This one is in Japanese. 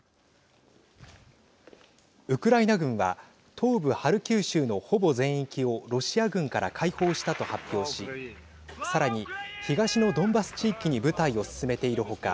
ウクライナ軍は東部ハルキウ州のほぼ全域をロシア軍から解放したと発表しさらに、東のドンバス地域に部隊を進めている他